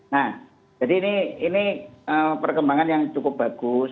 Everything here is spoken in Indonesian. nah jadi ini perkembangan yang cukup bagus